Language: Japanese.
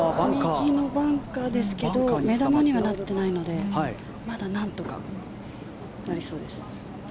右のバンカーですが目玉にはなっていないのでまだなんとかなりそうです。